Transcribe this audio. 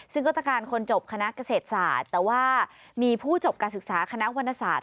ซึ่งก็ตรการคนจบคณะเกษตรศาสตร์แต่ว่ามีผู้จบการศึกษาคณะวรรณศาสต